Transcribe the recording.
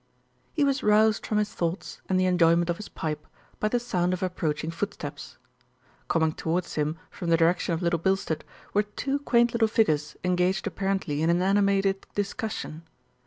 He was roused from his thoughts and the enjoyment of his pipe by the sound of approaching footsteps. Coming towards him from the direction of Little Bil stead were two quaint little figures engaged apparently in an animated discussion.